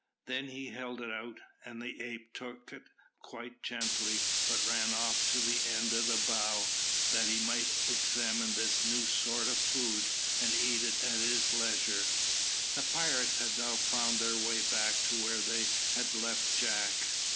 Then he held it out, and the ape took it quite gently, but ran off to the end of a bough, that he might examine this new sort of food, and eat it at his leisure. The pirates had now found their way back to where they had left Jack.